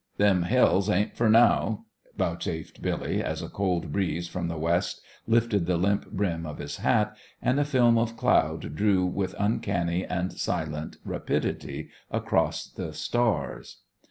"Them Hills ain't fur now," vouchsafed Billy, as a cold breeze from the west lifted the limp brim of his hat, and a film of cloud drew with uncanny and silent rapidity across the stars.